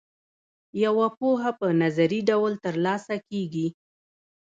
یوه پوهه په نظري ډول ترلاسه کیږي.